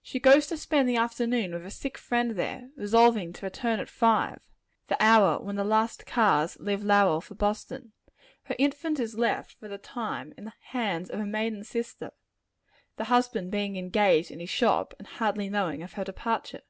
She goes to spend the afternoon with a sick friend there, resolving to return at five the hour when the last cars leave Lowell for Boston. Her infant is left, for the time, in the hands of a maiden sister the husband being engaged in his shop, and hardly knowing of her departure.